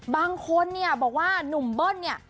บางคนเนี่ยบอกว่าหนุ่มเบิ้ลเนี่ย